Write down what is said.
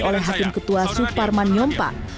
oleh hakim ketua suparman nyompa